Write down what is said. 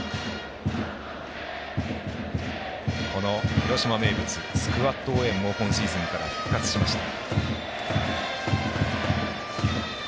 広島名物スクワット応援も今シーズンから復活しました。